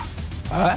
えっ？